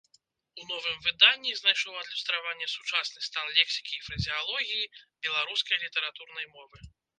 У новым выданні знайшоў адлюстраванне сучасны стан лексікі і фразеалогіі беларускай літаратурнай мовы.